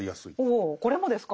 おおこれもですか？